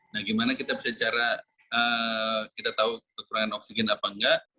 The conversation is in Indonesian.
nah bagaimana kita bisa tahu kekurangan oksigen atau tidak